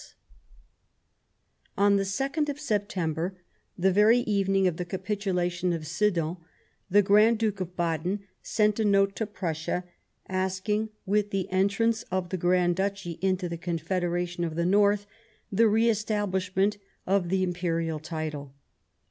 157 Bismarck On the 2nd of September, the very evening of the capitulation of Sedan, the Grand Duke of Baden sent a note to Prussia, asking, with the entrance of the Grand Duchy into the Confederation of the North, the re estabhshment of the Imperial title.